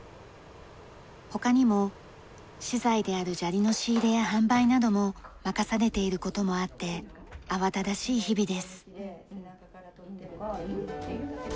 他にも資材である砂利の仕入れや販売なども任されている事もあって慌ただしい日々です。